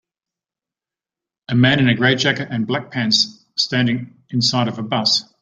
A man in a gray jacket and black pants standing inside of a bus.